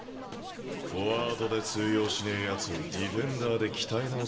フォワードで通用しねえやつをディフェンダーで鍛え直すってな。